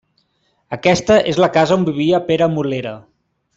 Aquesta és la casa on vivia Pere Molera.